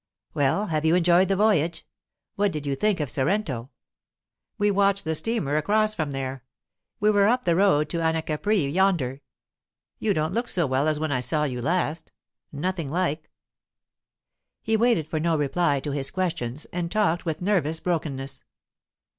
"Well, have you enjoyed the voyage? What did you think of Sorrento? We watched the steamer across from there; we were up on the road to Anacapri, yonder. You don't look so well as when I saw you last nothing like." He waited for no reply to his questions, and talked with nervous brokenness.